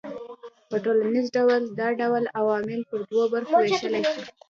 په ټوليز ډول دا ډول عوامل پر دوو برخو وېشلای سو